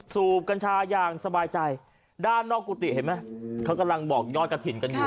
สูบกัญชาอย่างสบายใจด้านนอกกุฏิเห็นไหมเขากำลังบอกยอดกระถิ่นกันอยู่